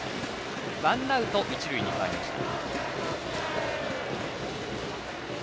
ワンアウト、一塁に変わりました。